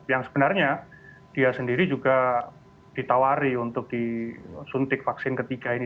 yang sebenarnya dia sendiri juga ditawari untuk disuntik vaksin ketiga ini